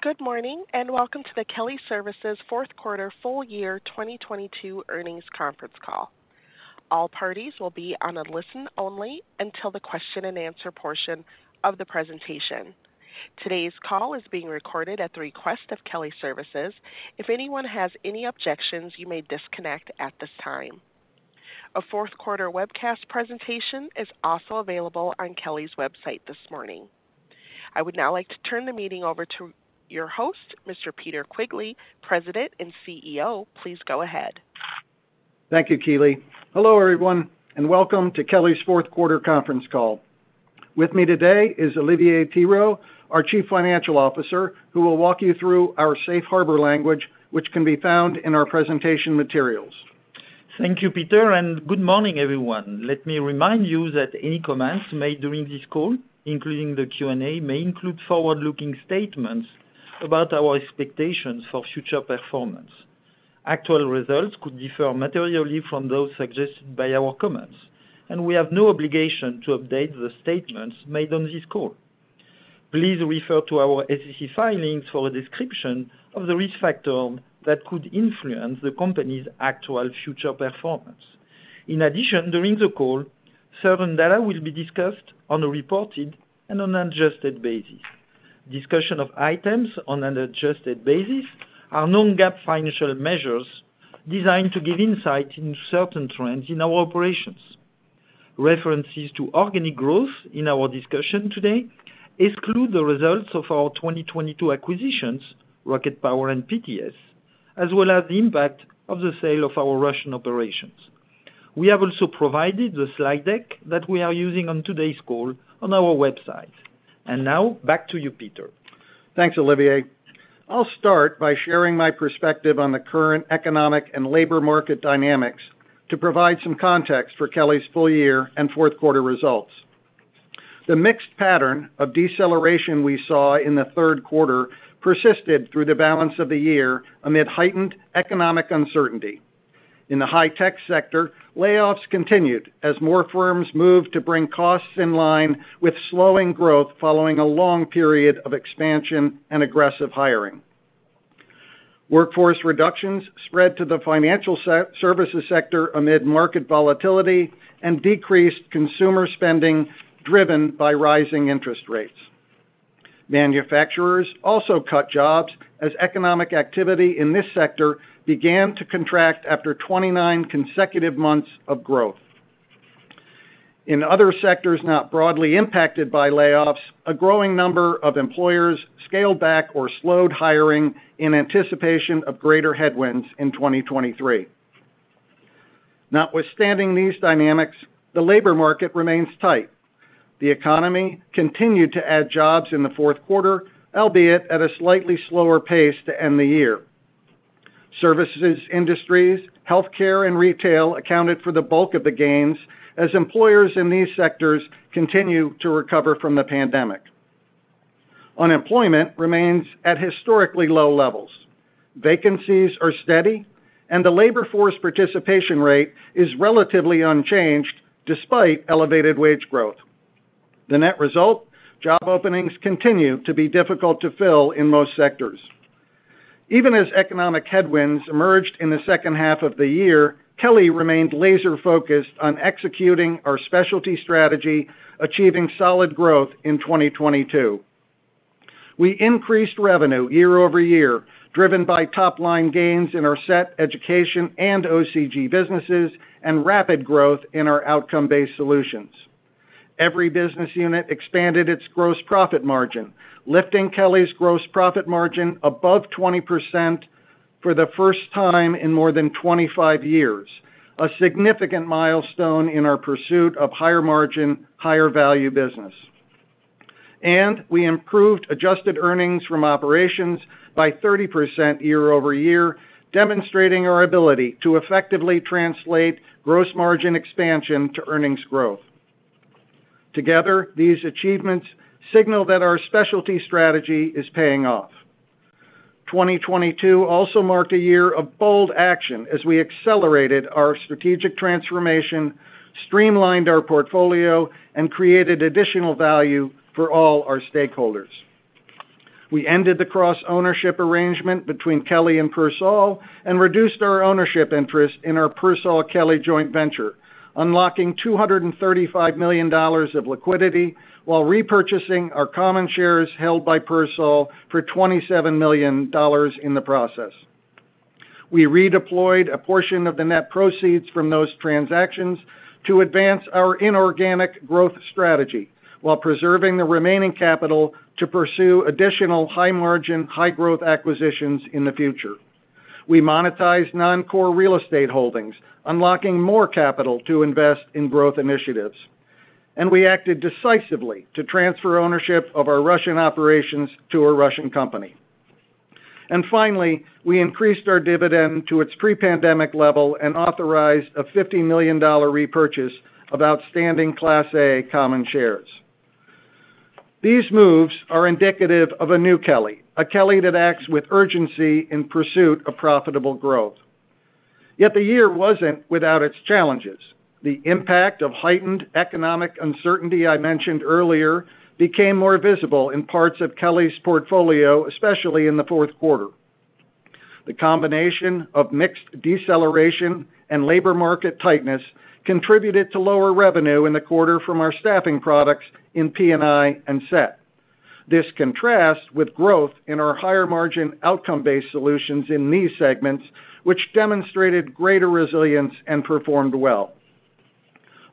Good morning, welcome to the Kelly Services Q4 full year 2022 earnings conference call. All parties will be on a listen only until the question-and-answer portion of the presentation. Today's call is being recorded at the request of Kelly Services. If anyone has any objections, you may disconnect at this time. A Q4 webcast presentation is also available on Kelly's website this morning. I would now like to turn the meeting over to your host, Mr. Peter Quigley, President and CEO. Please go ahead. Thank you, Keeley. Hello, everyone, welcome to Kelly's Q4 conference call. With me today is Olivier Thirot, our Chief Financial Officer, who will walk you through our safe harbor language, which can be found in our presentation materials. Thank you, Peter. Good morning, everyone. Let me remind you that any comments made during this call, including the Q&A, may include forward-looking statements about our expectations for future performance. Actual results could differ materially from those suggested by our comments, and we have no obligation to update the statements made on this call. Please refer to our SEC filings for a description of the risk factor that could influence the company's actual future performance. In addition, during the call, certain data will be discussed on a reported and an adjusted basis. Discussion of items on an adjusted basis are non-GAAP financial measures designed to give insight into certain trends in our operations. References to organic growth in our discussion today exclude the results of our 2022 acquisitions, RocketPower and PTS, as well as the impact of the sale of our Russian operations. We have also provided the slide deck that we are using on today's call on our website. Now back to you, Peter. Thanks, Olivier. I'll start by sharing my perspective on the current economic and labor market dynamics to provide some context for Kelly's full year and Q4 results. The mixed pattern of deceleration we saw in the Q3 persisted through the balance of the year amid heightened economic uncertainty. In the high-tech sector, layoffs continued as more firms moved to bring costs in line with slowing growth following a long period of expansion and aggressive hiring. Workforce reductions spread to the financial services sector amid market volatility and decreased consumer spending, driven by rising interest rates. Manufacturers also cut jobs as economic activity in this sector began to contract after 29 consecutive months of growth. In other sectors not broadly impacted by layoffs, a growing number of employers scaled back or slowed hiring in anticipation of greater headwinds in 2023. Notwithstanding these dynamics, the labor market remains tight. The economy continued to add jobs in the Q4, albeit at a slightly slower pace to end the year. Services industries, healthcare, and retail accounted for the bulk of the gains as employers in these sectors continue to recover from the pandemic. Unemployment remains at historically low levels. Vacancies are steady, and the labor force participation rate is relatively unchanged despite elevated wage growth. The net result, job openings continue to be difficult to fill in most sectors. Even as economic headwinds emerged in the H2 of the year, Kelly remained laser-focused on executing our specialty strategy, achieving solid growth in 2022. We increased revenue year-over-year, driven by top-line gains in our SET, education, and OCG businesses, and rapid growth in our outcome-based solutions. Every business unit expanded its gross profit margin, lifting Kelly's gross profit margin above 20% for the first time in more than 25 years, a significant milestone in our pursuit of higher margin, higher value business. We improved adjusted earnings from operations by 30% year-over-year, demonstrating our ability to effectively translate gross margin expansion to earnings growth. Together, these achievements signal that our specialty strategy is paying off. 2022 also marked a year of bold action as we accelerated our strategic transformation, streamlined our portfolio, and created additional value for all our stakeholders. We ended the cross-ownership arrangement between Kelly and Persol and reduced our ownership interest in our PersolKelly joint venture, unlocking $235 million of liquidity while repurchasing our common shares held by Persol for $27 million in the process. We redeployed a portion of the net proceeds from those transactions to advance our inorganic growth strategy while preserving the remaining capital to pursue additional high margin, high growth acquisitions in the future. We monetized non-core real estate holdings, unlocking more capital to invest in growth initiatives. We acted decisively to transfer ownership of our Russian operations to a Russian company. Finally, we increased our dividend to its pre-pandemic level and authorized a $50 million repurchase of outstanding Class A common shares. These moves are indicative of a new Kelly, a Kelly that acts with urgency in pursuit of profitable growth. The year wasn't without its challenges. The impact of heightened economic uncertainty I mentioned earlier became more visible in parts of Kelly's portfolio, especially in the Q4. The combination of mixed deceleration and labor market tightness contributed to lower revenue in the quarter from our staffing products in P&I and SET. This contrasts with growth in our higher margin outcome-based solutions in these segments, which demonstrated greater resilience and performed well.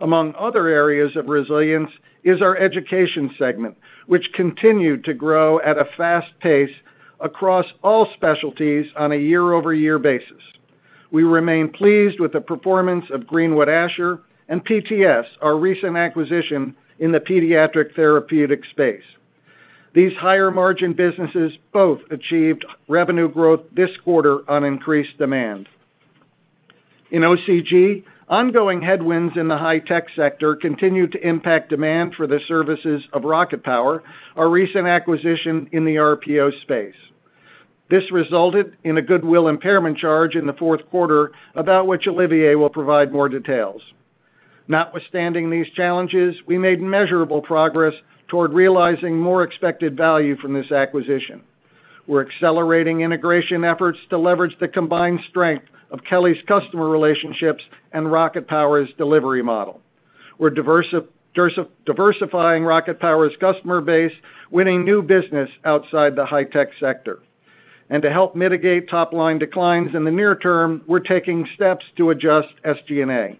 Among other areas of resilience is our education segment, which continued to grow at a fast pace across all specialties on a year-over-year basis. We remain pleased with the performance of Greenwood Asher and PTS, our recent acquisition in the pediatric therapeutic space. These higher margin businesses both achieved revenue growth this quarter on increased demand. In OCG, ongoing headwinds in the high-tech sector continued to impact demand for the services of RocketPower, our recent acquisition in the RPO space. This resulted in a goodwill impairment charge in the Q4 about which Olivier will provide more details. Notwithstanding these challenges, we made measurable progress toward realizing more expected value from this acquisition. We're accelerating integration efforts to leverage the combined strength of Kelly's customer relationships and RocketPower's delivery model. We're diversifying RocketPower's customer base, winning new business outside the high-tech sector. To help mitigate top-line declines in the near term, we're taking steps to adjust SG&A.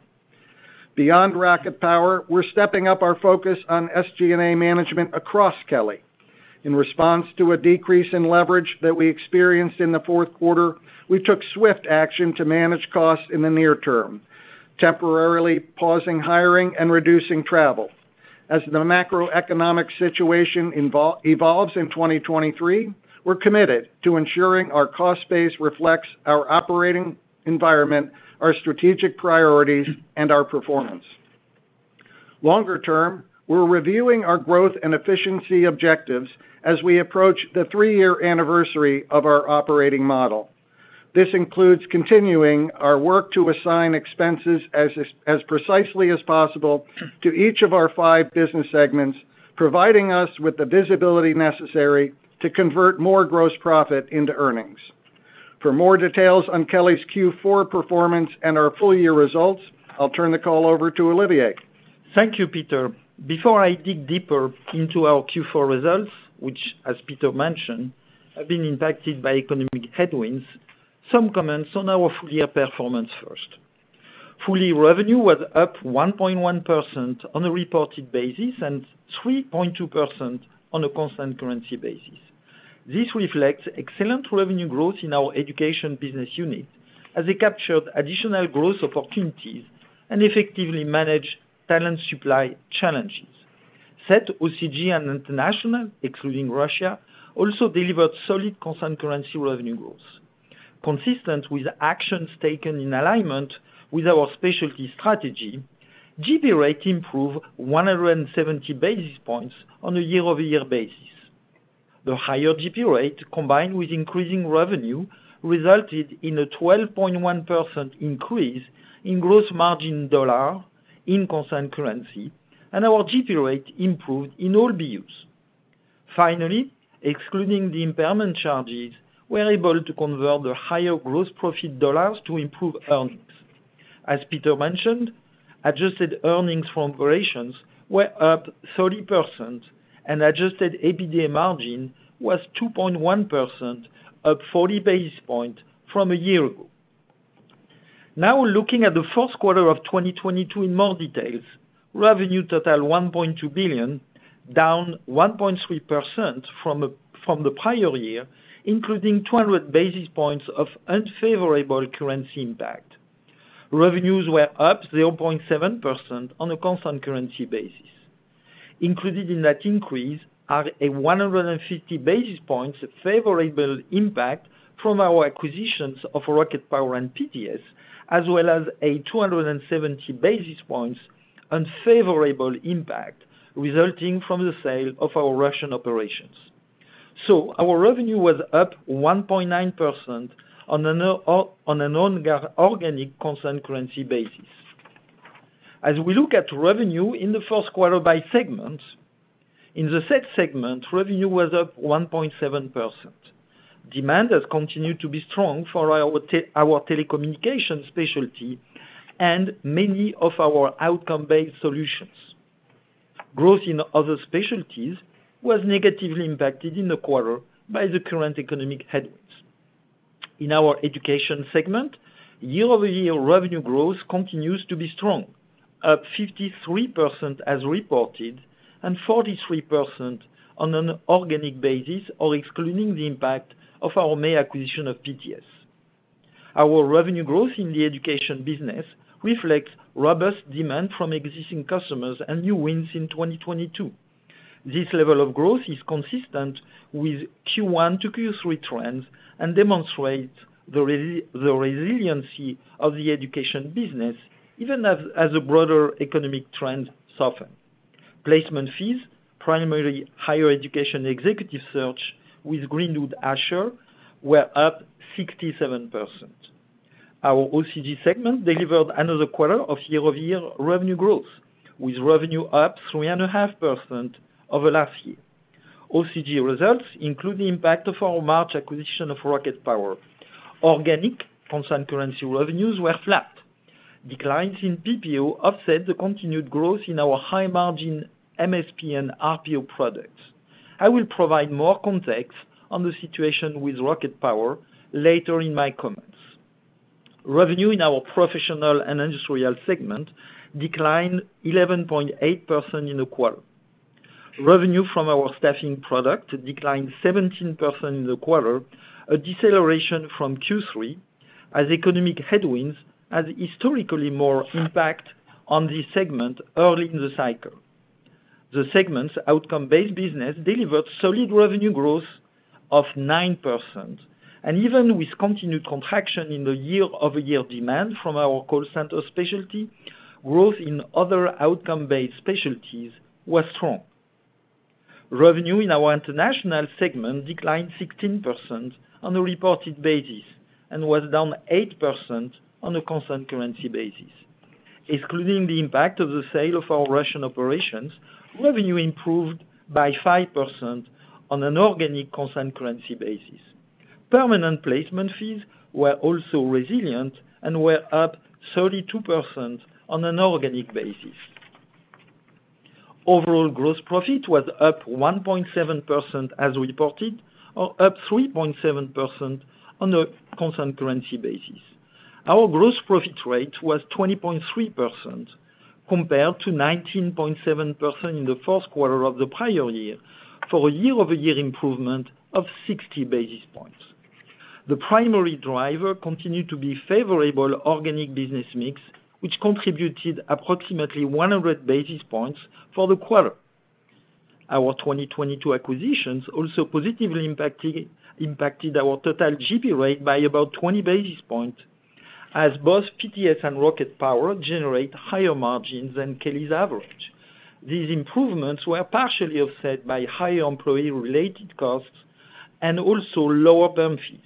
Beyond RocketPower, we're stepping up our focus on SG&A management across Kelly. In response to a decrease in leverage that we experienced in the Q4, we took swift action to manage costs in the near term, temporarily pausing hiring and reducing travel. As the macroeconomic situation evolves in 2023, we're committed to ensuring our cost base reflects our operating environment, our strategic priorities, and our performance. Longer term, we're reviewing our growth and efficiency objectives as we approach the three-year anniversary of our operating model. This includes continuing our work to assign expenses as precisely as possible to each of our five business segments, providing us with the visibility necessary to convert more gross profit into earnings. For more details on Kelly's Q4 performance and our full-year results, I'll turn the call over to Olivier. Thank you, Peter. Before I dig deeper into our Q4 results, which as Peter mentioned, have been impacted by economic headwinds, some comments on our full-year performance first. Full-year revenue was up 1.1% on a reported basis and 3.2% on a constant currency basis. This reflects excellent revenue growth in our education business unit as they captured additional growth opportunities and effectively managed talent supply challenges. SET, OCG, and International, excluding Russia, also delivered solid constant currency revenue growth. Consistent with actions taken in alignment with our specialty strategy, GP rate improved 170 basis points on a year-over-year basis. The higher GP rate, combined with increasing revenue, resulted in a 12.1% increase in gross margin dollar in constant currency, and our GP rate improved in all BUs. Excluding the impairment charges, we're able to convert the higher gross profit dollars to improve earnings. As Peter mentioned, adjusted earnings from operations were up 30% and adjusted EBITDA margin was 2.1%, up 40 basis points from a year ago. Looking at the Q1 of 2022 in more details, revenue total $1.2 billion, down 1.3% from the prior year, including 200 basis points of unfavorable currency impact. Revenues were up 0.7% on a constant currency basis. Included in that increase are a 150 basis points favorable impact from our acquisitions of RocketPower and PTS, as well as a 270 basis points unfavorable impact resulting from the sale of our Russian operations. Our revenue was up 1.9% on an organic constant currency basis. As we look at revenue in the Q1 by segment, in the SET segment, revenue was up 1.7%. Demand has continued to be strong for our telecommunications specialty and many of our outcome-based solutions. Growth in other specialties was negatively impacted in the quarter by the current economic headwinds. In our education segment, year-over-year revenue growth continues to be strong, up 53% as reported and 43% on an organic basis or excluding the impact of our May acquisition of PTS. Our revenue growth in the education business reflects robust demand from existing customers and new wins in 2022. This level of growth is consistent with Q1-Q3 trends and demonstrates the resiliency of the education business even as a broader economic trend soften. Placement fees, primarily higher education executive search with Greenwood Asher were up 67%. Our OCG segment delivered another quarter of year-over-year revenue growth, with revenue up 3.5% over last year. OCG results include the impact of our March acquisition of RocketPower. Organic constant currency revenues were flat. Declines in PPO offset the continued growth in our high margin MSP and RPO products. I will provide more context on the situation with RocketPower later in my comments. Revenue in our professional and industrial segment declined 11.8% in the quarter. Revenue from our staffing product declined 17% in the quarter, a deceleration from Q3 as economic headwinds has historically more impact on this segment early in the cycle. The segment's outcome-based business delivered solid revenue growth of 9%. Even with continued contraction in the year-over-year demand from our call center specialty, growth in other outcome-based specialties was strong. Revenue in our international segment declined 16% on a reported basis and was down 8% on a constant currency basis. Excluding the impact of the sale of our Russian operations, revenue improved by 5% on an organic constant currency basis. Permanent placement fees were also resilient and were up 32% on an organic basis. Overall gross profit was up 1.7% as reported, or up 3.7% on a constant currency basis. Our gross profit rate was 20.3% compared to 19.7% in the Q1 of the prior year for a year-over-year improvement of 60 basis points. The primary driver continued to be favorable organic business mix, which contributed approximately 100 basis points for the quarter. Our 2022 acquisitions also positively impacted our total GP rate by about 20 basis points, as both PTS and RocketPower generate higher margins than Kelly's average. These improvements were partially offset by higher employee-related costs and also lower perm fees.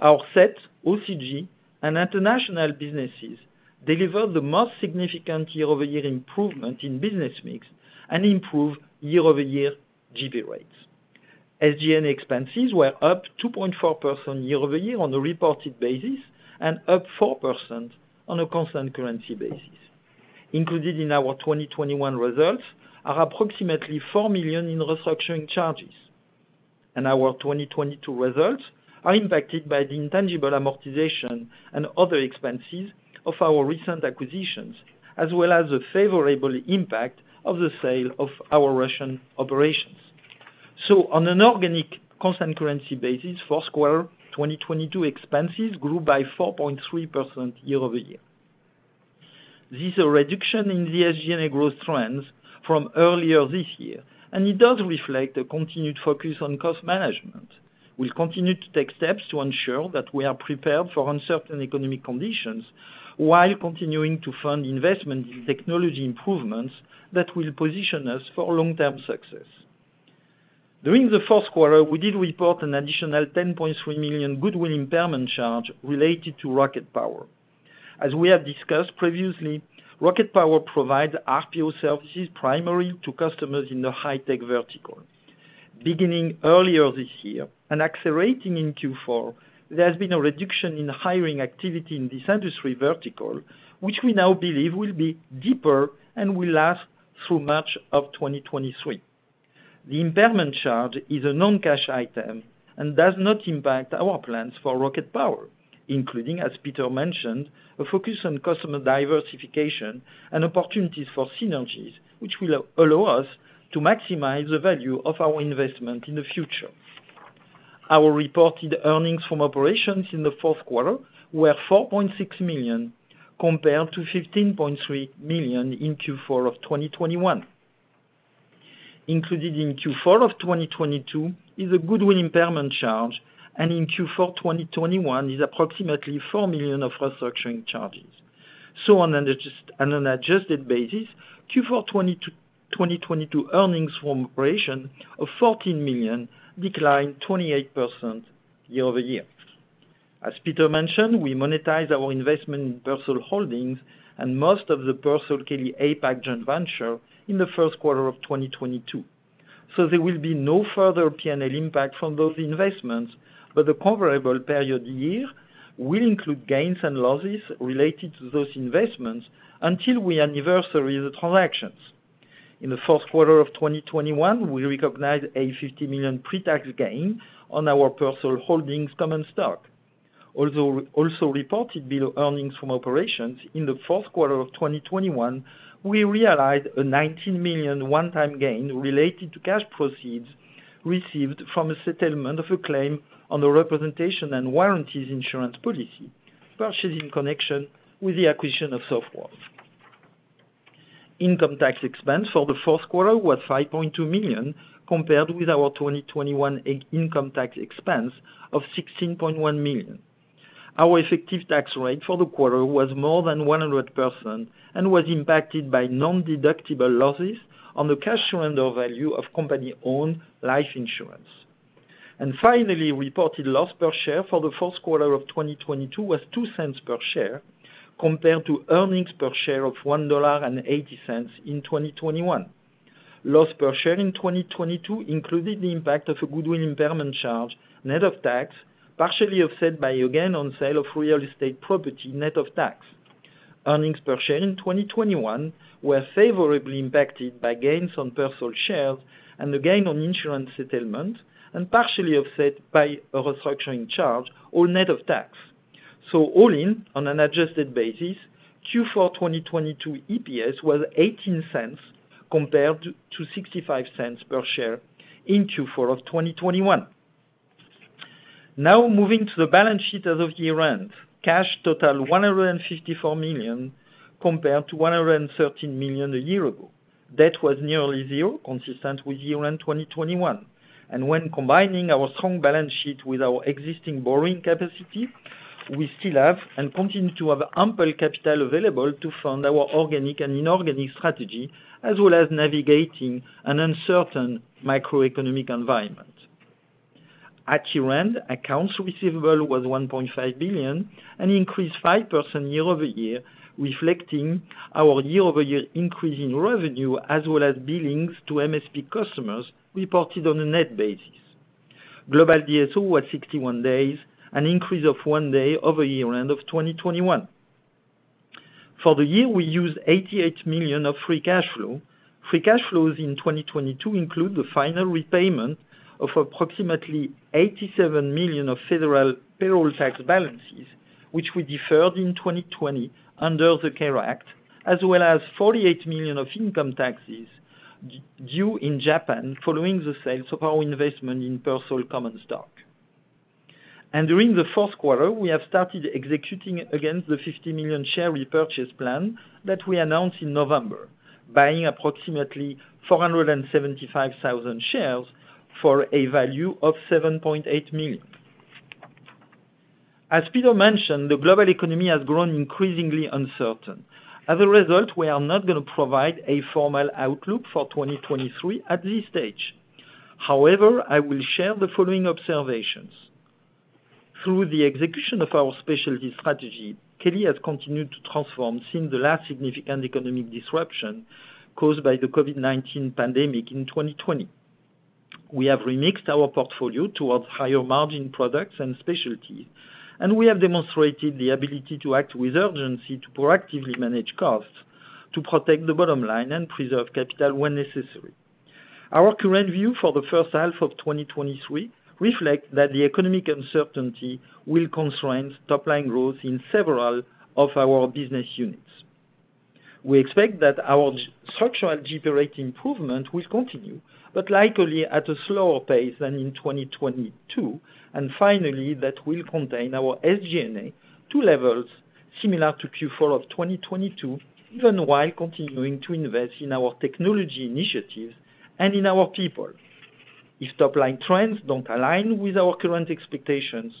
Our SET OCG and international businesses delivered the most significant year-over-year improvement in business mix and improved year-over-year GP rates. SG&A expenses were up 2.4% year-over-year on a reported basis and up 4% on a constant currency basis. Included in our 2021 results are approximately $4 million in restructuring charges, and our 2022 results are impacted by the intangible amortization and other expenses of our recent acquisitions, as well as the favorable impact of the sale of our Russian operations. On an organic constant currency basis, Q1 2022 expenses grew by 4.3% year-over-year. This is a reduction in the SG&A growth trends from earlier this year, and it does reflect a continued focus on cost management. We'll continue to take steps to ensure that we are prepared for uncertain economic conditions while continuing to fund investment in technology improvements that will position us for long-term success. During the Q4, we did report an additional $10.3 million goodwill impairment charge related to RocketPower. As we have discussed previously, RocketPower provides RPO services primary to customers in the high-tech vertical. Beginning earlier this year and accelerating in Q4, there has been a reduction in hiring activity in this industry vertical, which we now believe will be deeper and will last through March of 2023. The impairment charge is a non-cash item and does not impact our plans for RocketPower, including, as Peter mentioned, a focus on customer diversification and opportunities for synergies, which will allow us to maximize the value of our investment in the future. Our reported earnings from operations in the Q4 were $4.6 million, compared to $15.3 million in Q4 of 2021. Included in Q4 of 2022 is a goodwill impairment charge, and in Q4 2021 is approximately $4 million of restructuring charges. On an adjusted basis, Q4 2022 earnings from operation of $14 million declined 28% year-over-year. As Peter mentioned, we monetize our investment in Persol Holdings and most of the PersolKelly APAC joint venture in the Q1 of 2022. There will be no further P&L impact from those investments, but the comparable period year will include gains and losses related to those investments until we anniversary the transactions. In the Q1 of 2021, we recognized a $50 million pre-tax gain on our Persol Holdings common stock. Also reported bill earnings from operations in the Q4 of 2021, we realized a $19 million one-time gain related to cash proceeds received from a settlement of a claim on the representation and warranties insurance policy, purchased in connection with the acquisition of Softworld. Income tax expense for the Q4 was $5.2 million, compared with our 2021 in-income tax expense of $16.1 million. Our effective tax rate for the quarter was more than 100% and was impacted by non-deductible losses on the cash surrender value of company-owned life insurance. Finally, reported loss per share for the Q4 of 2022 was $0.02 per share compared to earnings per share of $1.80 in 2021. Loss per share in 2022 included the impact of a goodwill impairment charge, net of tax, partially offset by a gain on sale of real estate property net of tax. Earnings per share in 2021 were favorably impacted by gains on Persol shares and the gain on insurance settlement, and partially offset by a restructuring charge or net of tax. All in, on an adjusted basis, Q4 2022 EPS was $0.18 compared to $0.65 per share in Q4 of 2021. Now moving to the balance sheet as of year-end. Cash totaled $154 million compared to $113 million a year ago. Debt was nearly zero, consistent with year-end 2021. When combining our strong balance sheet with our existing borrowing capacity, we still have and continue to have ample capital available to fund our organic and inorganic strategy, as well as navigating an uncertain macroeconomic environment. At year-end, accounts receivable was $1.5 billion and increased 5% year-over-year, reflecting our year-over-year increase in revenue as well as billings to MSP customers reported on a net basis. Global DSO was 61 days, an increase of one day over year-end of 2021. For the year, we used $88 million of free cash flow. Free cash flows in 2022 include the final repayment of approximately $87 million of federal payroll tax balances, which we deferred in 2020 under the CARES Act, as well as $48 million of income taxes due in Japan following the sales of our investment in Persol common stock. During the Q4, we have started executing against the $50 million share repurchase plan that we announced in November, buying approximately 475,000 shares for a value of $7.8 million. As Peter mentioned, the global economy has grown increasingly uncertain. As a result, we are not gonna provide a formal outlook for 2023 at this stage. However, I will share the following observations. Through the execution of our specialty strategy, Kelly has continued to transform since the last significant economic disruption caused by the COVID-19 pandemic in 2020. We have remixed our portfolio towards higher margin products and specialties, and we have demonstrated the ability to act with urgency to proactively manage costs to protect the bottom line and preserve capital when necessary. Our current view for the H1 of 2023 reflect that the economic uncertainty will constrain top-line growth in several of our business units. We expect that our structural GP rate improvement will continue, but likely at a slower pace than in 2022. Finally, that will contain our SG&A to levels similar to Q4 of 2022, even while continuing to invest in our technology initiatives and in our people. If top-line trends don't align with our current expectations,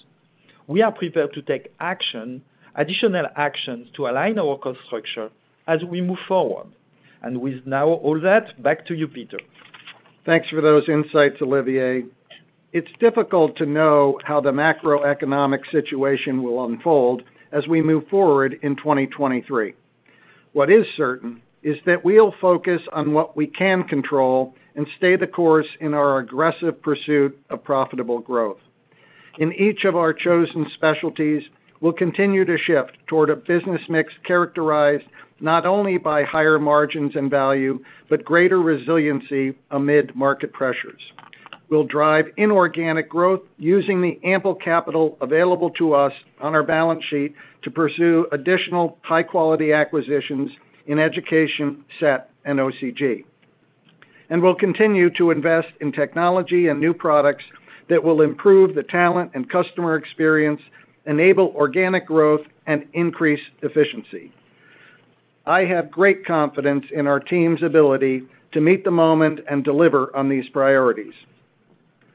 we are prepared to take action, additional actions to align our cost structure as we move forward. With now all that, back to you, Peter. Thanks for those insights, Olivier. It's difficult to know how the macroeconomic situation will unfold as we move forward in 2023. What is certain is that we'll focus on what we can control and stay the course in our aggressive pursuit of profitable growth. In each of our chosen specialties, we'll continue to shift toward a business mix characterized not only by higher margins and value, but greater resiliency amid market pressures. We'll drive inorganic growth using the ample capital available to us on our balance sheet to pursue additional high-quality acquisitions in Education, SET, and OCG. We'll continue to invest in technology and new products that will improve the talent and customer experience, enable organic growth, and increase efficiency. I have great confidence in our team's ability to meet the moment and deliver on these priorities.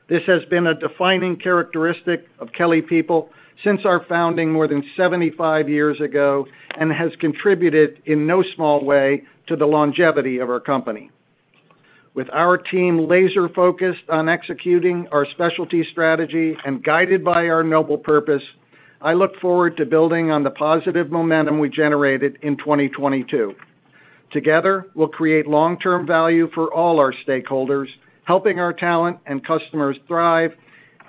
This has been a defining characteristic of Kelly people since our founding more than 75 years ago and has contributed in no small way to the longevity of our company. With our team laser-focused on executing our specialty strategy and guided by our noble purpose, I look forward to building on the positive momentum we generated in 2022. Together, we'll create long-term value for all our stakeholders, helping our talent and customers thrive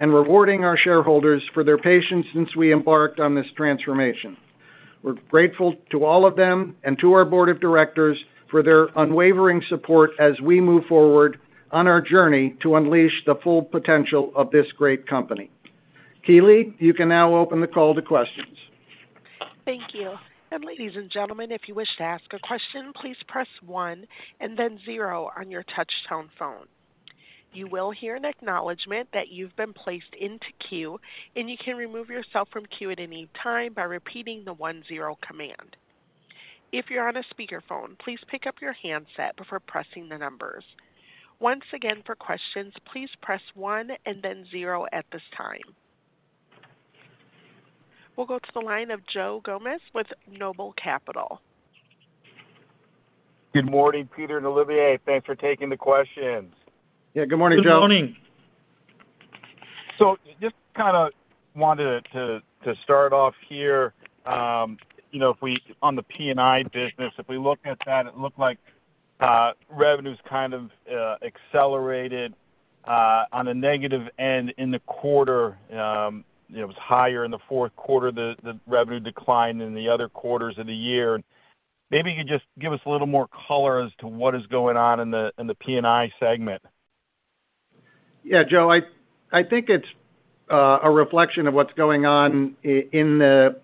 and rewarding our shareholders for their patience since we embarked on this transformation. We're grateful to all of them and to our board of directors for their unwavering support as we move forward on our journey to unleash the full potential of this great company. Keeley, you can now open the call to questions. Thank you. Ladies and gentlemen, if you wish to ask a question, please press one and then zero on your touch tone phone. You will hear an acknowledgment that you've been placed into queue, and you can remove yourself from queue at any time by repeating the one zero command. If you're on a speakerphone, please pick up your handset before pressing the numbers. Once again, for questions, please press one and then zero at this time. We'll go to the line of Joe Gomes with Noble Capital. Good morning, Peter and Olivier. Thanks for taking the questions. Yeah, good morning, Joe. Good morning. Just kinda wanted to start off here, you know, on the P&I business, if we look at that, it looked like revenues kind of accelerated on a negative end in the quarter. You know, it was higher in the Q4, the revenue declined in the other quarters of the year. Maybe you could just give us a little more color as to what is going on in the P&I segment? Yeah, Joe, I think it's a reflection of what's going on in the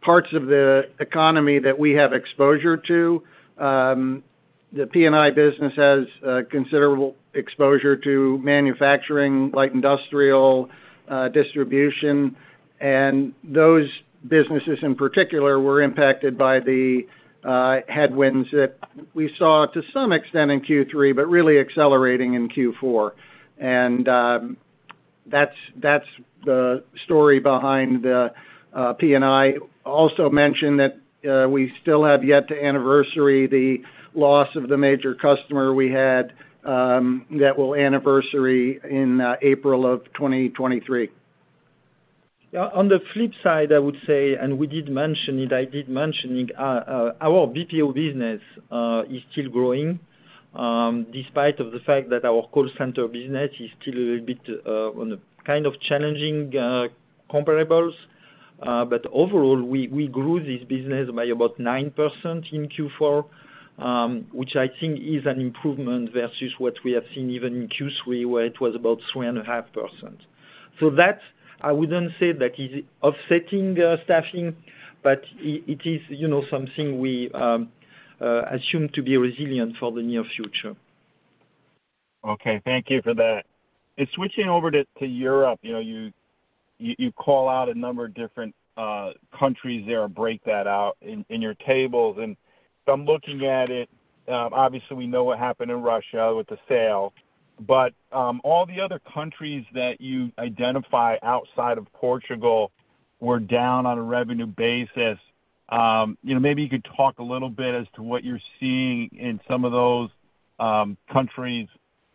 parts of the economy that we have exposure to. The P&I business has considerable exposure to manufacturing, like industrial, distribution, and those businesses in particular were impacted by the headwinds that we saw to some extent in Q3, but really accelerating in Q4. That's the story behind P&I. Also mentioned that we still have yet to anniversary the loss of the major customer we had, that will anniversary in April of 2023. On the flip side, I would say, and we did mention it, I did mention it, our BPO business is still growing, despite of the fact that our call center business is still a little bit on a kind of challenging comparables. Overall, we grew this business by about 9% in Q4, which I think is an improvement versus what we have seen even in Q3, where it was about 3.5%. That, I wouldn't say that is offsetting staffing, but it is, you know, something we assume to be resilient for the near future. Okay. Thank you for that. Switching over to Europe, you know, you call out a number of different countries there or break that out in your tables. From looking at it, obviously we know what happened in Russia with the sale, but all the other countries that you identify outside of Portugal were down on a revenue basis. You know, maybe you could talk a little bit as to what you're seeing in some of those countries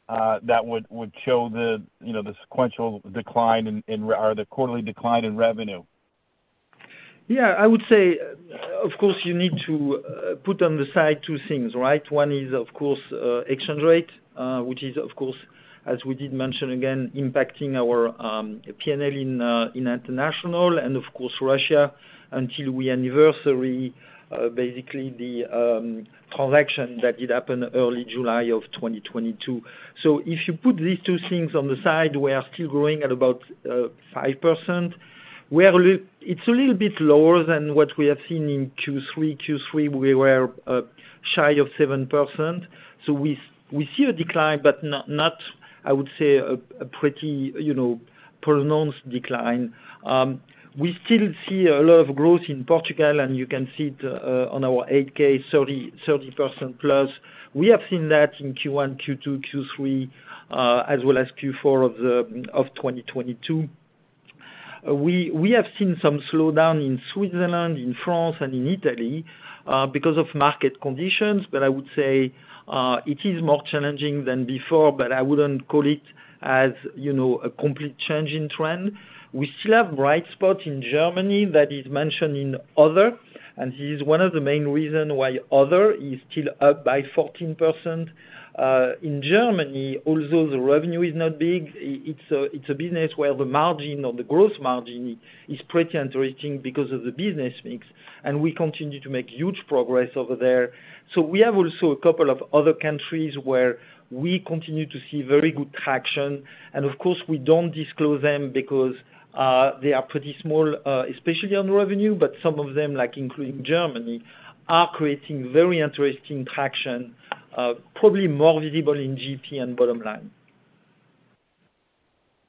that would show the, you know, the sequential decline or the quarterly decline in revenue. I would say, of course, you need to put on the side two things, right? One is, of course, exchange rate, which is, of course, as we did mention again, impacting our P&L in international and of course, Russia, until we anniversary basically the transaction that did happen early July of 2022. If you put these two things on the side, we are still growing at about 5%. We are a little bit lower than what we have seen in Q3. Q3, we were shy of 7%. We see a decline, but not, I would say, a pretty, you know, pronounced decline. We still see a lot of growth in Portugal, and you can see it on our 8-K, 30%+. We have seen that in Q1, Q2, Q3, as well as Q4 of 2022. We have seen some slowdown in Switzerland, in France, and in Italy, because of market conditions. I would say, it is more challenging than before, but I wouldn't call it as, you know, a complete change in trend. We still have bright spots in Germany that is mentioned in other. This is one of the main reason why other is still up by 14%. In Germany, although the revenue is not big, it's a business where the margin or the growth margin is pretty interesting because of the business mix, and we continue to make huge progress over there. We have also a couple of other countries where we continue to see very good traction. Of course, we don't disclose them because they are pretty small, especially on revenue, but some of them, like including Germany, are creating very interesting traction, probably more visible in GP and bottom line.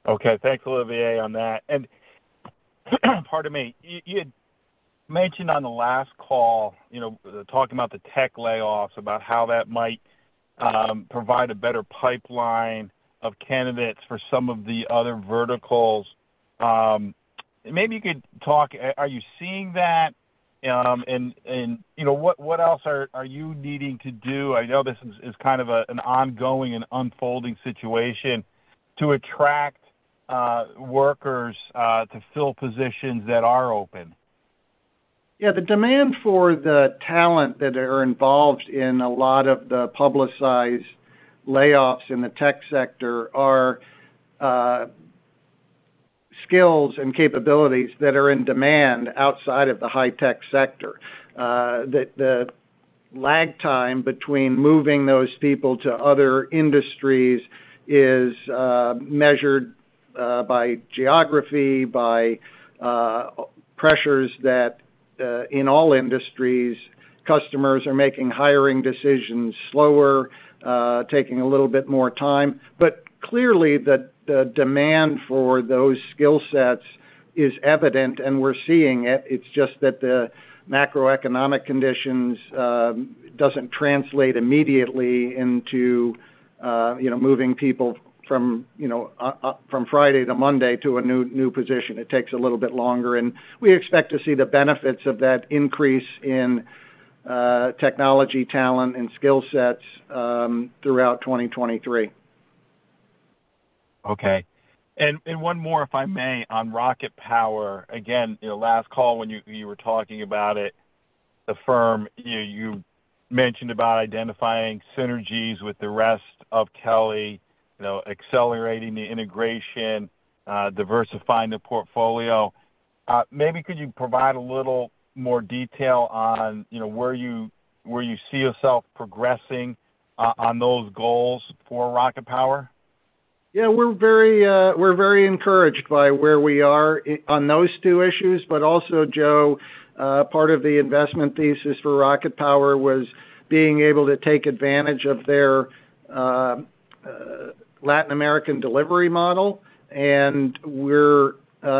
Okay. Thanks, Olivier, on that. Pardon me. You had mentioned on the last call, you know, talking about the tech layoffs, about how that might provide a better pipeline of candidates for some of the other verticals. Maybe you could talk, are you seeing that, and, you know, what else are you needing to do, I know this is kind of a, an ongoing and unfolding situation, to attract workers, to fill positions that are open? The demand for the talent that are involved in a lot of the publicized layoffs in the tech sector are skills and capabilities that are in demand outside of the high tech sector. The lag time between moving those people to other industries is measured by geography, by pressures that in all industries, customers are making hiring decisions slower, taking a little bit more time. Clearly, the demand for those skill sets is evident and we're seeing it. It's just that the macroeconomic conditions doesn't translate immediately into, you know, moving people from, you know, from Friday to Monday to a new position. It takes a little bit longer, and we expect to see the benefits of that increase in technology, talent and skill sets throughout 2023. Okay. and one more, if I may, on RocketPower. you know, last call when you were talking about it, the firm, you mentioned about identifying synergies with the rest of Kelly, you know, accelerating the integration, diversifying the portfolio. Maybe could you provide a little more detail on, you know, where you see yourself progressing on those goals for Rocket Power? Yeah, we're very encouraged by where we are on those two issues. Also, Joe, part of the investment thesis for RocketPower was being able to take advantage of their Latin American delivery model. We're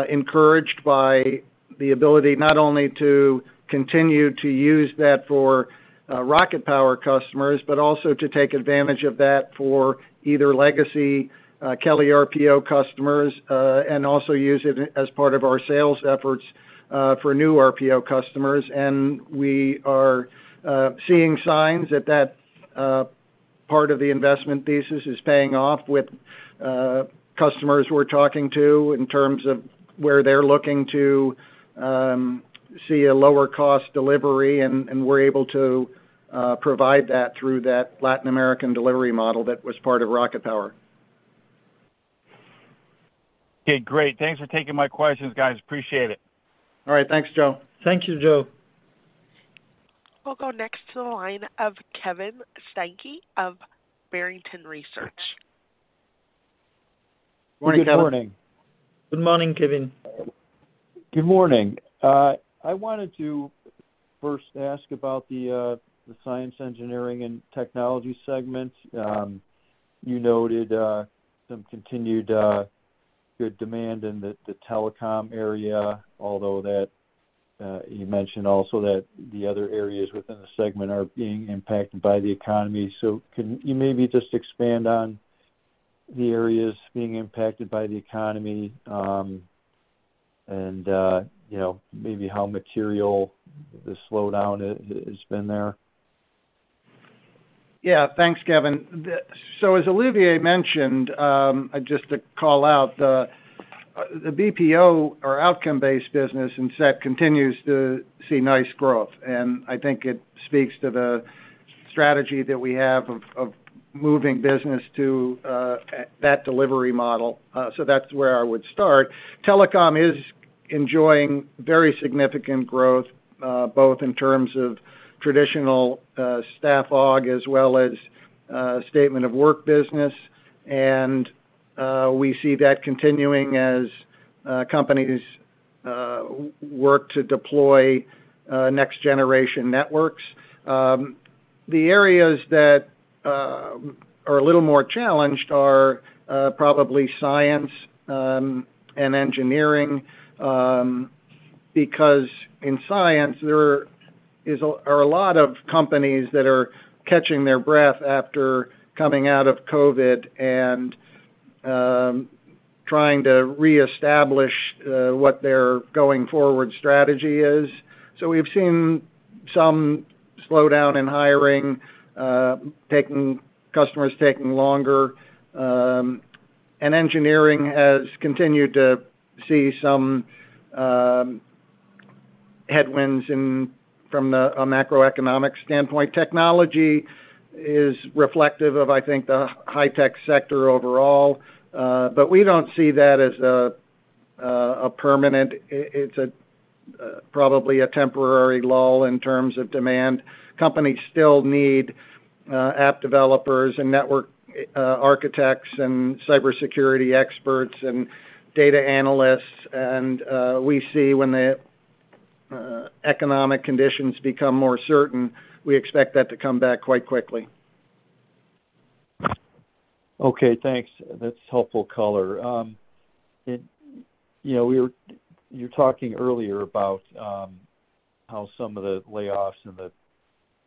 encouraged by the ability not only to continue to use that for RocketPower customers, but also to take advantage of that for either legacy Kelly RPO customers, and also use it as part of our sales efforts for new RPO customers. We are seeing signs that that part of the investment thesis is paying off with customers we're talking to in terms of where they're looking to see a lower cost delivery, and we're able to provide that through that Latin American delivery model that was part of RocketPower. Okay, great. Thanks for taking my questions, guys. Appreciate it. All right. Thanks, Joe. Thank you, Joe. We'll go next to the line of Kevin Steinke of Barrington Research. Good morning. Good morning. Good morning, Kevin. Good morning. I wanted to first ask about the science, engineering, and technology segments. You noted some continued good demand in the telecom area, although that you mentioned also that the other areas within the segment are being impacted by the economy. Can you maybe just expand on the areas being impacted by the economy? You know, maybe how material the slowdown has been there. Thanks, Kevin. As Olivier mentioned, just to call out, the BPO or outcome-based business in SET continues to see nice growth, and I think it speaks to the strategy that we have of moving business to that delivery model. That's where I would start. Telecom is enjoying very significant growth, both in terms of traditional staff augmentation, as well as statement of work business. We see that continuing as companies work to deploy next-generation networks. The areas that are a little more challenged are probably science and engineering because in science, there are a lot of companies that are catching their breath after coming out of COVID and trying to reestablish what their going-forward strategy is. We've seen some slowdown in hiring, customers taking longer. Engineering has continued to see some headwinds from the, a macroeconomic standpoint. Technology is reflective of, I think, the high-tech sector overall. We don't see that as a permanent. It's a probably a temporary lull in terms of demand. Companies still need app developers and network architects and cybersecurity experts and data analysts. We see when the economic conditions become more certain, we expect that to come back quite quickly. Okay, thanks. That's helpful color. you know, you were talking earlier about how some of the layoffs in the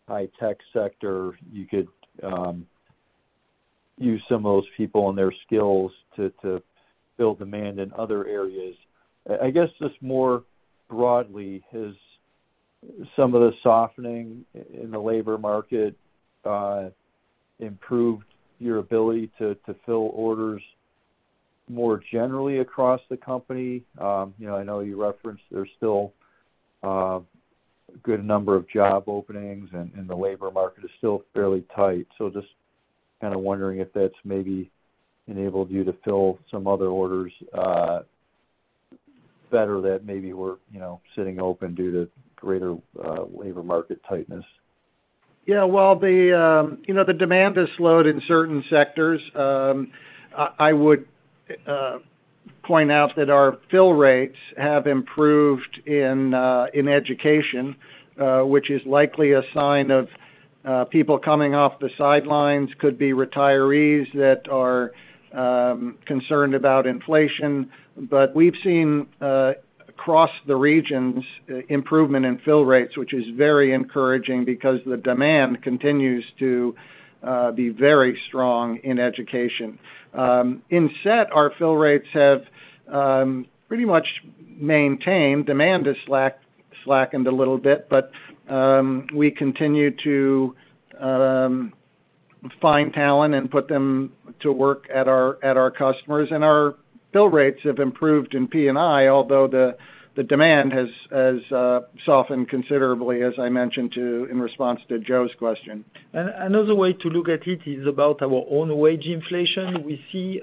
high-tech sector, you could use some of those people and their skills to fill demand in other areas. I guess just more broadly, has some of the softening in the labor market improved your ability to fill orders more generally across the company? you know, I know you referenced there's still a good number of job openings and the labor market is still fairly tight. Just kinda wondering if that's maybe enabled you to fill some other orders better that maybe were, you know, sitting open due to greater labor market tightness. Yeah. Well, you know, the demand has slowed in certain sectors. I would point out that our fill rates have improved in education, which is likely a sign of People coming off the sidelines could be retirees that are concerned about inflation. We've seen across the regions, improvement in fill rates, which is very encouraging because the demand continues to be very strong in education. In SET, our fill rates have pretty much maintained. Demand has slackened a little bit, but we continue to find talent and put them to work at our, at our customers. Our bill rates have improved in P&I, although the demand has softened considerably, as I mentioned in response to Joe's question. Another way to look at it is about our own wage inflation. We see,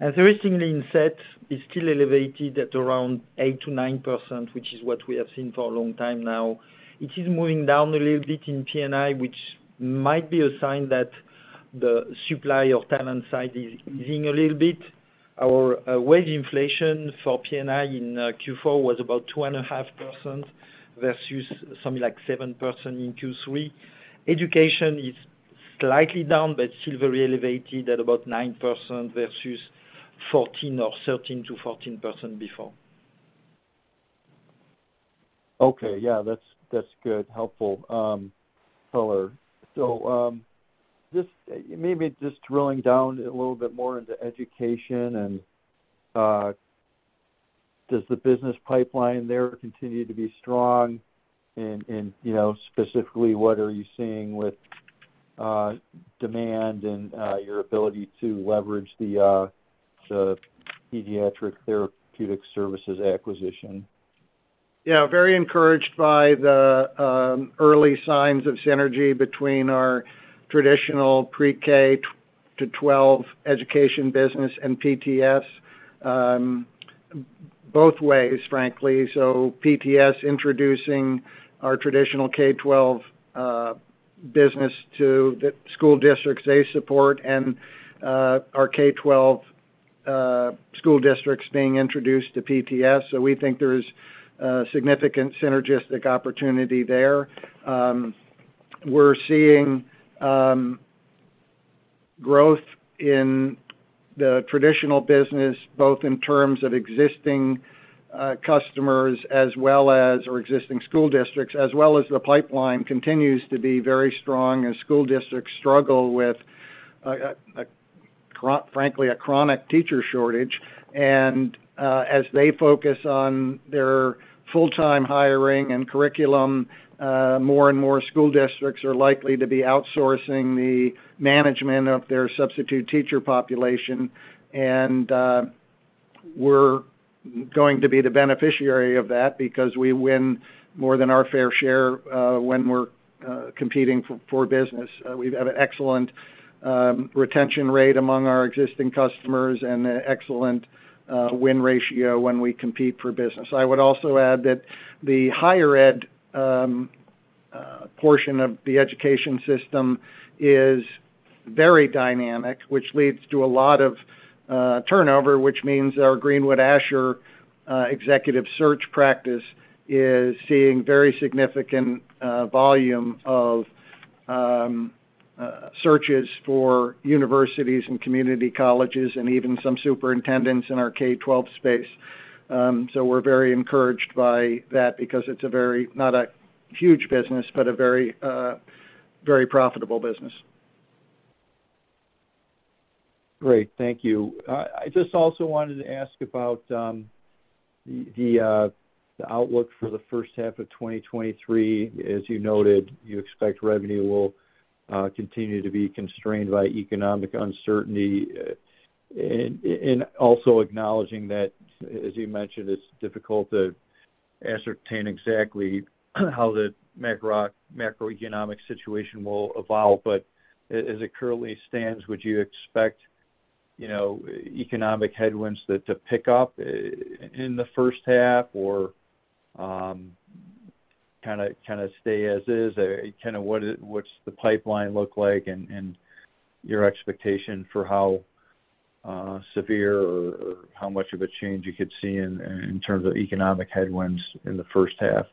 interestingly, in SET, it's still elevated at around 8%-9%, which is what we have seen for a long time now. It is moving down a little bit in P&I, which might be a sign that the supply of talent side is easing a little bit. Our wage inflation for P&I in Q4 was about 2.5% versus something like 7% in Q3. Education is slightly down, but still very elevated at about 9% versus 14% or 13%-14% before. Okay. Yeah. That's, that's good. Helpful color. Just maybe just drilling down a little bit more into education and does the business pipeline there continue to be strong? You know, specifically, what are you seeing with demand and your ability to leverage the Pediatric Therapeutic Services acquisition? Yeah. Very encouraged by the early signs of synergy between our traditional Pre-K to twelve education business and PTS, both ways, frankly. PTS introducing our traditional K12 business to the school districts they support and our K12 school districts being introduced to PTS. We think there's significant synergistic opportunity there. We're seeing growth in the traditional business, both in terms of existing customers as well as existing school districts, as well as the pipeline continues to be very strong as school districts struggle with frankly, a chronic teacher shortage. As they focus on their full-time hiring and curriculum, more and more school districts are likely to be outsourcing the management of their substitute teacher population. We're going to be the beneficiary of that because we win more than our fair share when we're competing for business. We have an excellent retention rate among our existing customers and an excellent win ratio when we compete for business. I would also add that the higher ed portion of the education system is very dynamic, which leads to a lot of turnover, which means our Greenwood Asher executive search practice is seeing very significant volume of searches for universities and community colleges and even some superintendents in our K12 space. We're very encouraged by that because it's a very not a huge business, but a very profitable business. Great. Thank you. I just also wanted to ask about the outlook for the H1 of 2023. As you noted, you expect revenue will continue to be constrained by economic uncertainty. And also acknowledging that, as you mentioned, it's difficult to ascertain exactly how the macroeconomic situation will evolve. As it currently stands, would you expect, you know, economic headwinds to pick up in the H1 or, kinda stay as is? What's the pipeline look like and your expectation for how severe or how much of a change you could see in terms of economic headwinds in the H1?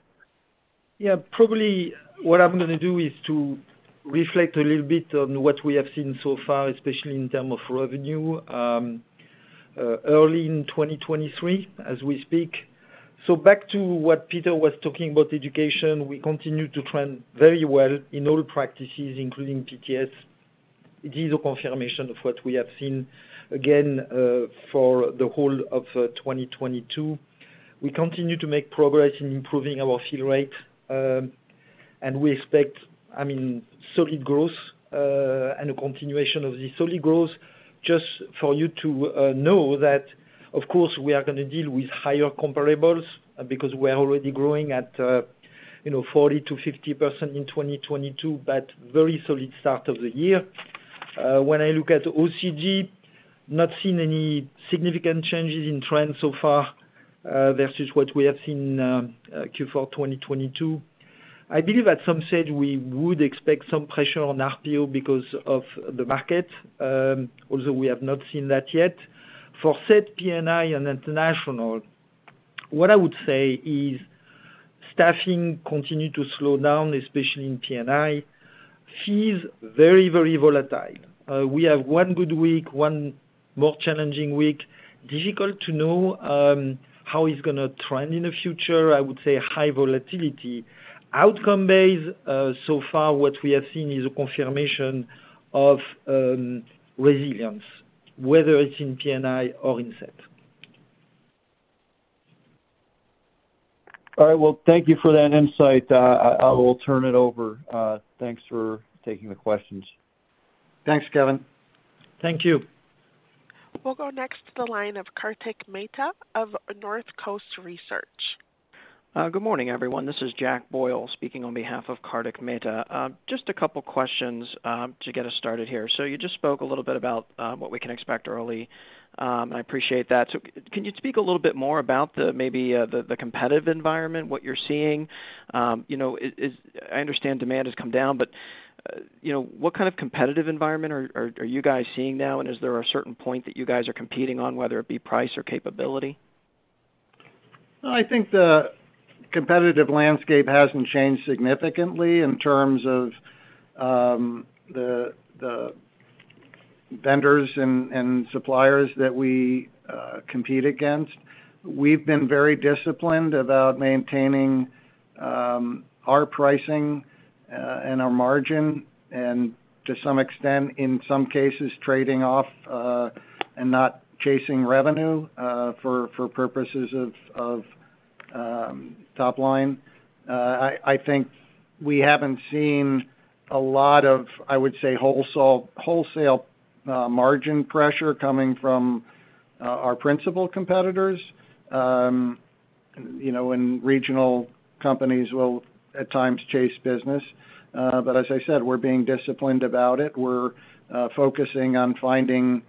Yeah. Probably what I'm gonna do is to reflect a little bit on what we have seen so far, especially in term of revenue, early in 2023, as we speak. Back to what Peter was talking about education, we continue to trend very well in all practices, including PTS. It is a confirmation of what we have seen again, for the whole of, 2022. We continue to make progress in improving our fill rate, and we expect, I mean, solid growth, and a continuation of the solid growth. Just for you to, know that, of course, we are gonna deal with higher comparables because we're already growing at, you know, 40%-50% in 2022, but very solid start of the year. When I look at OCG, not seen any significant changes in trend so far, versus what we have seen Q4 2022. I believe at some stage we would expect some pressure on RPO because of the market, although we have not seen that yet. For SET, P&I, and international, what I would say is staffing continued to slow down, especially in P&I. Fees, very, very volatile. We have one good week, one more challenging week. Difficult to know, how it's gonna trend in the future. I would say high volatility. Outcome-based, so far, what we have seen is a confirmation of resilience, whether it's in P&I or in SET. All right. Well, thank you for that insight. I will turn it over. Thanks for taking the questions. Thanks, Kevin. Thank you. We'll go next to the line of Kartik Mehta of Northcoast Research. Good morning, everyone. This is Jack Boyle speaking on behalf of Kartik Mehta. Just a couple questions to get us started here. You just spoke a little bit about what we can expect early, and I appreciate that. Can you speak a little bit more about the, maybe, the competitive environment, what you're seeing? You know, is... I understand demand has come down, but, you know, what kind of competitive environment are you guys seeing now and is there a certain point that you guys are competing on, whether it be price or capability? No, I think the competitive landscape hasn't changed significantly in terms of, the vendors and suppliers that we compete against. We've been very disciplined about maintaining, our pricing, and our margin, and to some extent, in some cases, trading off, and not chasing revenue, for purposes of top line. I think we haven't seen a lot of, I would say, wholesale margin pressure coming from, our principal competitors. You know, and regional companies will, at times, chase business. As I said, we're being disciplined about it. We're focusing on finding,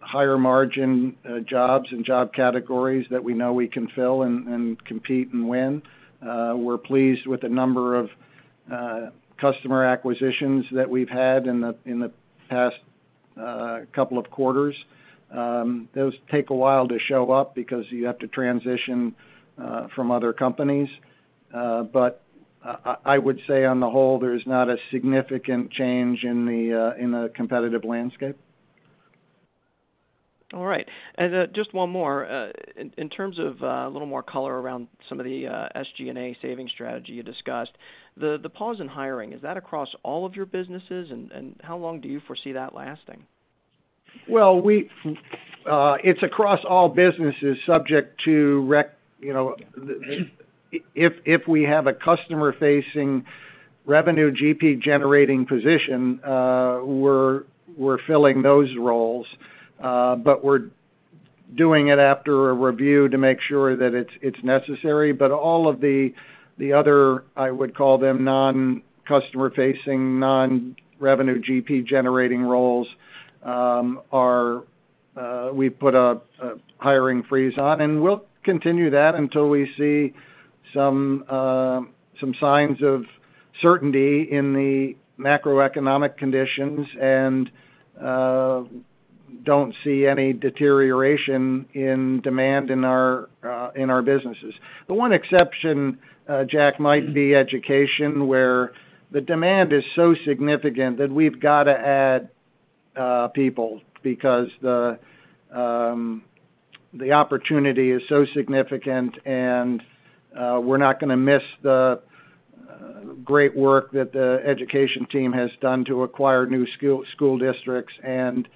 higher margin, jobs and job categories that we know we can fill and compete and win. We're pleased with the number of customer acquisitions that we've had in the past couple of quarters. Those take a while to show up because you have to transition from other companies. I would say on the whole, there's not a significant change in the competitive landscape. All right. Just one more. In terms of a little more color around some of the SG&A savings strategy you discussed, the pause in hiring, is that across all of your businesses? How long do you foresee that lasting? Well, we, it's across all businesses subject to you know, if we have a customer-facing revenue GP generating position, we're filling those roles, but we're doing it after a review to make sure that it's necessary. All of the other, I would call them non-customer facing, non-revenue GP generating roles, we've put a hiring freeze on. We'll continue that until we see some signs of certainty in the macroeconomic conditions and don't see any deterioration in demand in our businesses. The one exception, Jack, might be education, where the demand is so significant that we've gotta add people because the opportunity is so significant, we're not gonna miss the great work that the education team has done to acquire new school districts and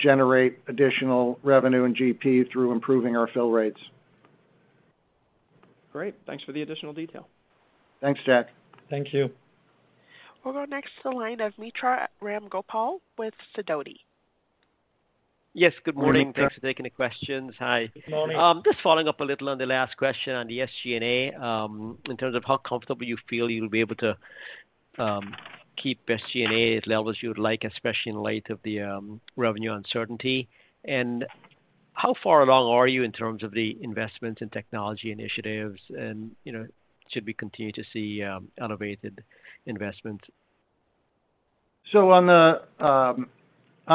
generate additional revenue and GP through improving our fill rates. Great. Thanks for the additional detail. Thanks, Jack. Thank you. We'll go next to the line of Mitra Ramgopal with Sidoti. Yes, good morning. Good morning, Mitra. Thanks for taking the questions. Hi. Good morning. Just following up a little on the last question on the SG&A, in terms of how comfortable you feel you'll be able to keep SG&A at levels you'd like, especially in light of the revenue uncertainty? How far along are you in terms of the investments and technology initiatives and, you know, should we continue to see elevated investments? On the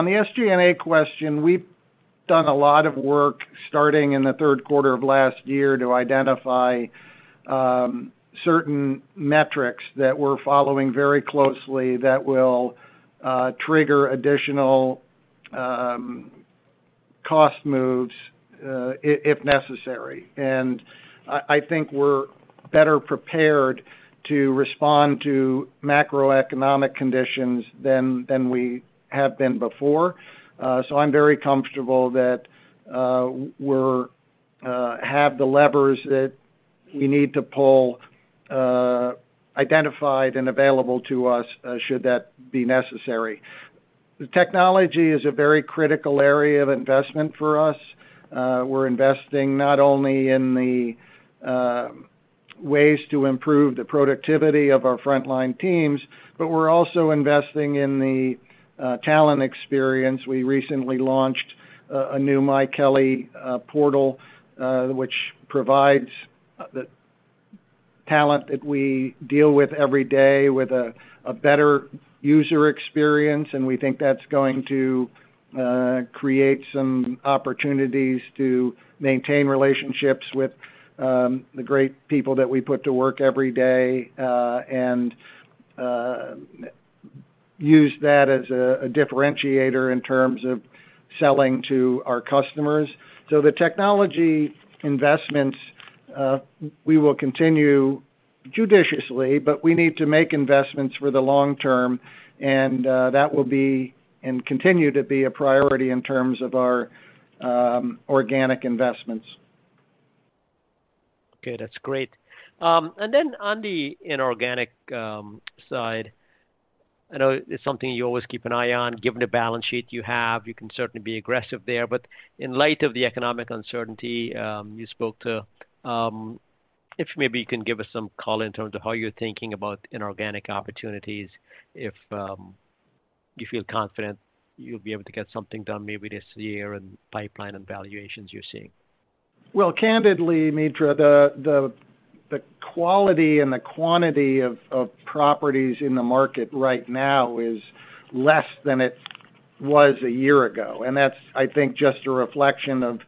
SG&A question, we've done a lot of work starting in the Q3 of last year to identify certain metrics that we're following very closely that will trigger additional cost moves if necessary. I think we're better prepared to respond to macroeconomic conditions than we have been before. I'm very comfortable that we're have the levers that we need to pull identified and available to us should that be necessary. The technology is a very critical area of investment for us. We're investing not only in the ways to improve the productivity of our frontline teams, but we're also investing in the talent experience. We recently launched a new myKelly portal, which provides the talent that we deal with every day with a better user experience, and we think that's going to create some opportunities to maintain relationships with the great people that we put to work every day, and use that as a differentiator in terms of selling to our customers. The technology investments, we will continue judiciously, but we need to make investments for the long term, and that will be, and continue to be a priority in terms of our organic investments. Okay, that's great. Then on the inorganic side, I know it's something you always keep an eye on. Given the balance sheet you have, you can certainly be aggressive there. In light of the economic uncertainty, you spoke to, if maybe you can give us some color in terms of how you're thinking about inorganic opportunities, if you feel confident you'll be able to get something done maybe this year and pipeline and valuations you're seeing. Well, candidly, Mitra, the quality and the quantity of properties in the market right now is less than it was a year ago. That's I think just a reflection of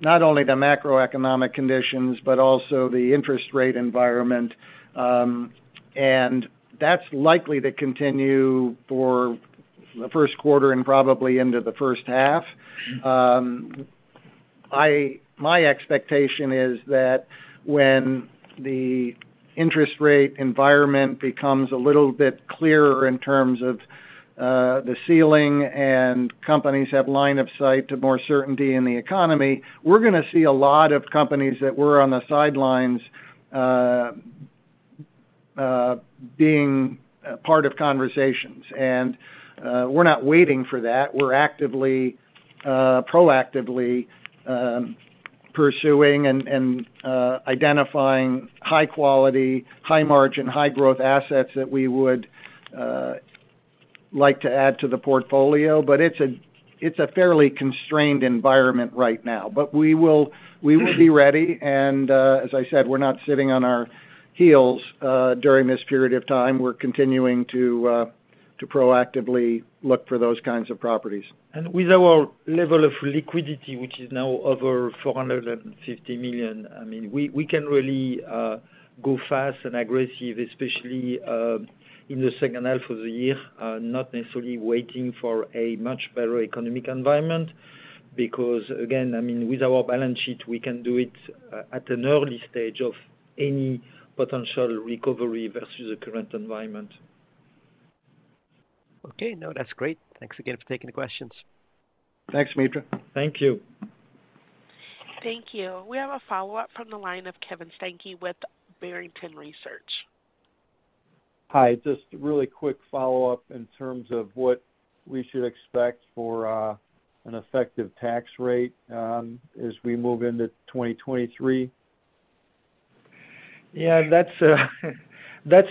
not only the macroeconomic conditions but also the interest rate environment. That's likely to continue for the Q1 and probably into the H1. My expectation is that when the interest rate environment becomes a little bit clearer in terms of the ceiling and companies have line of sight to more certainty in the economy, we're gonna see a lot of companies that were on the sidelines, being part of conversations. We're not waiting for that. We're actively, proactively, pursuing and identifying high quality, high margin, high growth assets that we would like to add to the portfolio. It's a fairly constrained environment right now. We will be ready, and, as I said, we're not sitting on our heels, during this period of time. We're continuing to proactively look for those kinds of properties. With our level of liquidity, which is now over $450 million, I mean, we can really go fast and aggressive, especially in the H2 of the year, not necessarily waiting for a much better economic environment. Because, again, I mean, with our balance sheet, we can do it at an early stage of any potential recovery versus the current environment. Okay. No, that's great. Thanks again for taking the questions. Thanks, Mitra. Thank you. Thank you. We have a follow-up from the line of Kevin Steinke with Barrington Research. Hi. Just a really quick follow-up in terms of what we should expect for an effective tax rate as we move into 2023. That's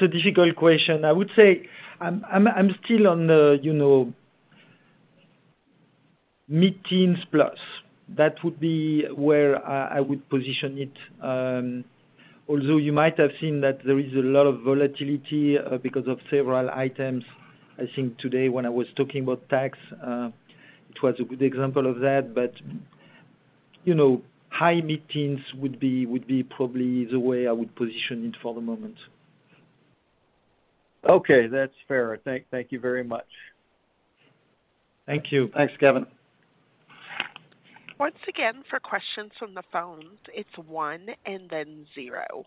a difficult question. I would say I'm still on the, you know, mid-teens plus. That would be where I would position it. Although you might have seen that there is a lot of volatility because of several items, I think today when I was talking about tax, it was a good example of that. You know, high mid-teens would be probably the way I would position it for the moment. Okay. That's fair. Thank you very much. Thank you. Thanks, Kevin. Once again, for questions from the phones, it's one and then zero.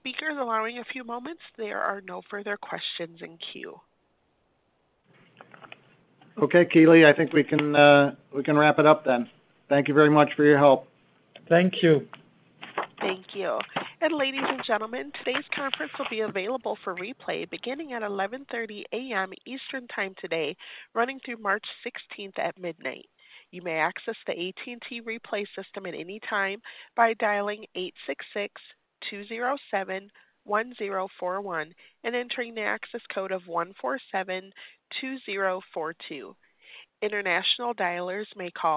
Speaker allowing a few moments, there are no further questions in queue. Okay, Keely, I think we can, we can wrap it up then. Thank you very much for your help. Thank you. Thank you. Ladies and gentlemen, today's conference will be available for replay beginning at 11:30 A.M. Eastern Time today, running through March 16th at midnight. You may access the AT&T replay system at any time by dialing 866-207-1041 and entering the access code of 1472042. International dialers may call.